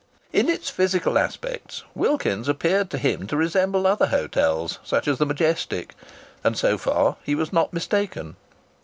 In its physical aspects Wilkins's appeared to him to resemble other hotels such as the Majestic. And so far he was not mistaken.